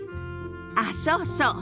あっそうそう。